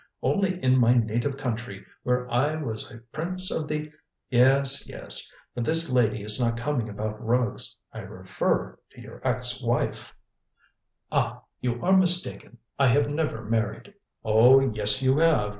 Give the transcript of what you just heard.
Only in my native country, where I was a prince of the " "Yes, yes. But this lady is not coming about rugs. I refer to your ex wife." "Ah. You are mistaken. I have never married." "Oh, yes, you have.